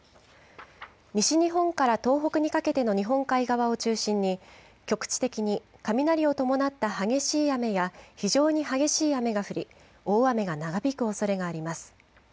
西日本から東北にかけての日本海側を中心に局地的に雷を伴った激しい雨や非常に激しい雨が降り大雨が長引くおそれがあります。